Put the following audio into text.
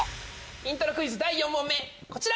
イントロクイズ第４問こちら！